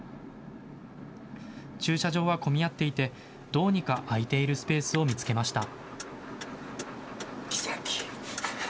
駐車場は混み合っていて、どうにか空いているスペースを見つけました。